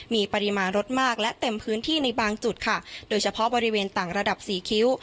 มีปริมาณรถมากและเต็มพื้นที่ในบางจุดค่ะโดยเฉพาะบริเวณต่างระดับสี่คิ้ว